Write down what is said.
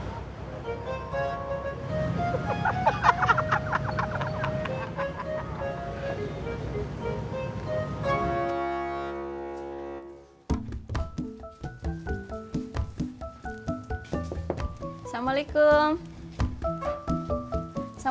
tidak tidak tidak